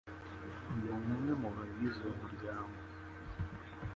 Ni umwe mu bagize uyu muryango.